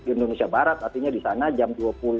indonesia barat artinya di sana jam